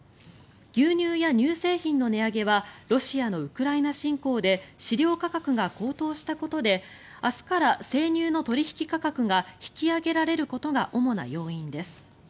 牛乳や乳製品の値上げはロシアのウクライナ侵攻で飼料価格が高騰したことで明日から生乳の取引価格が引き上げられることが主な要因です。